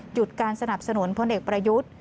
หยุดการสนับสนุนพลเอกประยุทธ์